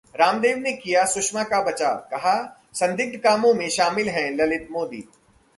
रामदेव ने किया सुषमा का बचाव, कहा- संदिग्ध कामों में शामिल हैं ललित मोदी